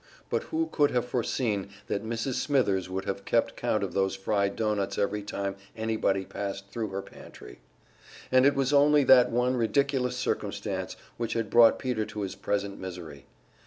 But who could have foreseen that Mrs. Smithers would have kept count of those fried doughnuts every time anybody passed thru her pantry? And it was only that one ridiculous circumstance which had brought Peter to his present misery.